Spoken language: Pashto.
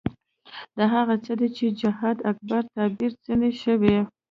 دا هغه څه دي چې جهاد اکبر تعبیر ځنې شوی.